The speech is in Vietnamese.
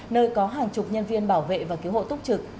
nơi có hàng chục nhân viên bảo vệ và cứu hộ túc trực